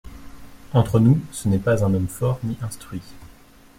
Entre nous, ce n’est pas un homme fort ni instruit…